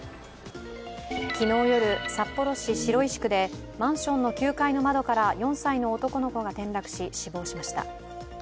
昨日夜、札幌市白石区でマンションの９階の窓から４歳の男の子が転落し、死亡しました。